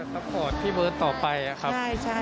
เราจะสปอร์ตพี่เบิร์ตต่อไปครับ